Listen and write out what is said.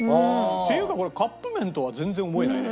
っていうかこれカップ麺とは全然思えないね。